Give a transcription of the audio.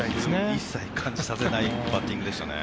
一切感じさせないバッティングでしたね。